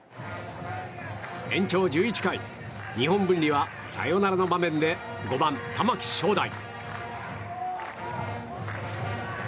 延長１１回日本文理はサヨナラの場面で５番、玉木聖大。